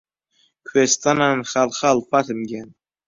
کوێستانان خاڵ خاڵ فاتم گیان